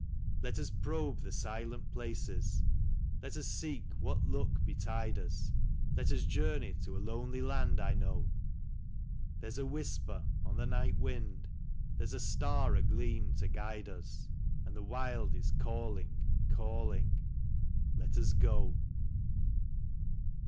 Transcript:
Let us probe the silent places, let us seek what luck betide us; Let us journey to a lonely land I know. There's a whisper on the night wind, there's a star agleam to guide us, And the wild is calling, calling ... let us go.